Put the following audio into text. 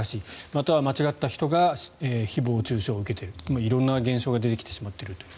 または間違った人が誹謗・中傷を受けている色んな現象が出てきてしまっているという。